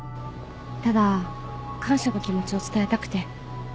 ただ感謝の気持ちを伝えたくて